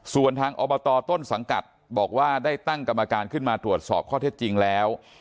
ส่วนทางอบตต้นสังกัดบอกว่าได้ตั้งกรรมการขึ้นมาตรวจสอบข้อเท็จจริงแล้ว